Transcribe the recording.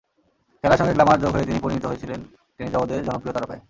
খেলার সঙ্গে গ্ল্যামার যোগ হয়ে তিনি পরিণত হয়েছিলেন টেনিসের সবচেয়ে জনপ্রিয় তারকায়।